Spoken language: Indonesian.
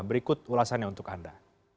berikut ulasannya untuk anda